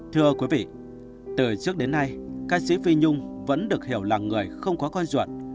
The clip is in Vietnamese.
thưa quý vị từ trước đến nay ca sĩ phi nhung vẫn được hiểu là người không có con ruột